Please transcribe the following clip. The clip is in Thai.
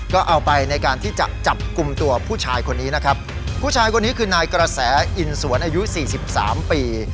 ก็เอาไปในการที่จะจับกลุ่มตัวผู้ชายคนนี้นะครับผู้ชายคนนี้คือนายกระแสอินสวนอายุสี่สิบสามปี